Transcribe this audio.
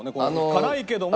辛いけども。